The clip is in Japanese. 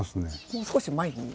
もう少し前に。